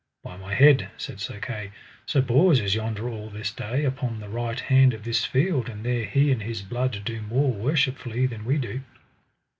By my head, said Sir Kay, Sir Bors is yonder all this day upon the right hand of this field, and there he and his blood do more worshipfully than we do.